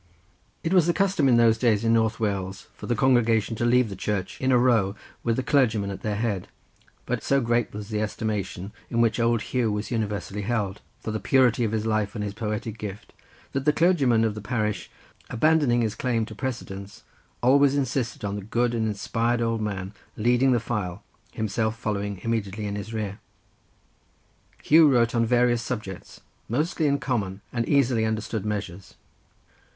It was the custom in those days in North Wales for the congregation to leave the church in a row with the clergyman at their head, but so great was the estimation in which old Huw was universally held, for the purity of his life and his poetical gift, that the clergyman of the parish abandoning his claim to precedence, always insisted on the good and inspired old man's leading the file, himself following immediately in his rear. Huw wrote on various subjects, mostly in common and easily understood measures.